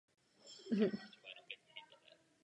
Dále se zde hojně používají ryby a hovězí maso.